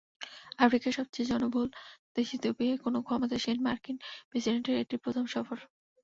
আফ্রিকার সবচেয়ে জনবহুল দেশ ইথিওপিয়ায় কোনো ক্ষমতাসীন মার্কিন প্রেসিডেন্টের এটি প্রথম সফর।